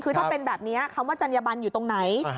คือถ้าเป็นแบบนี้คำว่าจัญญบันอยู่ตรงไหน